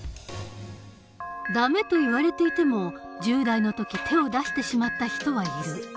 「ダメ」と言われていても１０代の時手を出してしまった人はいる。